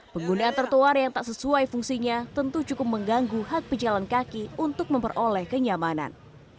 penggunaan trotoar yang tak sesuai fungsinya tentu cukup mengganggu hak pejalan kaki untuk memperoleh kenyamanan